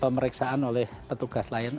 pemeriksaan oleh petugas lion air ini